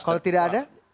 kalau tidak ada